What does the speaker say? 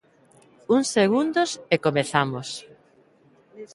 Uns segundos e comezamos.